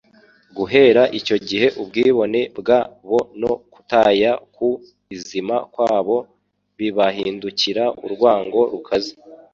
Guhera icyo gihe ubwibone bwa bo no kutaya ku izima kwa bo bibahindukira urwango rukaze